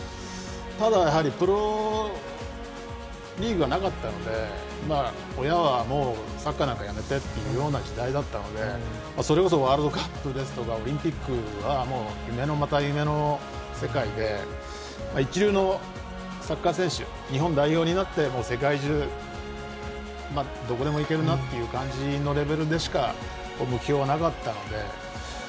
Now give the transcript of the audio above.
ただ、やはりプロリーグがなかったので親は、サッカーなんかやめてというような時代だったのでそれこそワールドカップだとかオリンピックは夢のまた夢の世界で一流のサッカー選手日本代表になって世界中、どこでも行けるなという感じのレベルでしか目標はなかったので。